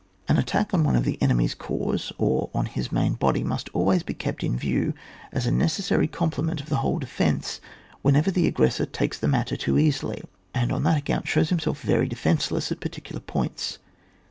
An attack on one of the enemy's corps or on his main body must always be kept in view as a necessary complement of the whole defence whenever the aggressor takes the matter too easily, and on that account shows himself very defenceless at particular points.